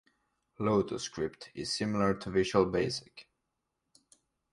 LotusScript is similar to Visual Basic.